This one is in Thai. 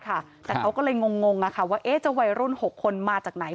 แต่เขาก็เลยงงว่าจะวัยรุ่น๖คนมาจากไหน